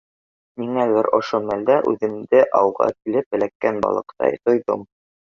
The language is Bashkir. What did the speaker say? Ниңәлер ошо мәлдә үҙемде ауға килеп эләккән балыҡтай тойҙом.